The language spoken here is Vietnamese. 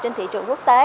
trên thị trường quốc tế